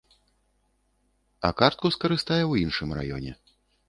А картку скарыстае ў іншым раёне.